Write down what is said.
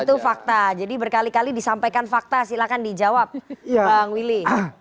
itu fakta jadi berkali kali disampaikan fakta silahkan dijawab bang willy